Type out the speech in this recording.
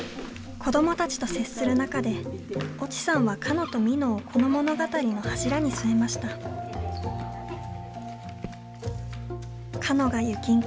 子どもたちと接する中で越智さんはかのとみのをこの物語の柱に据えました。と思います。